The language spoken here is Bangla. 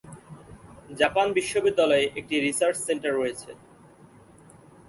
জাপান বিশ্ববিদ্যালয়ে একটি রিসার্চ সেন্টার রয়েছে।